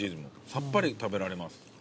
さっぱり食べられます。